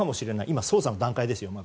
今、捜査の段階です。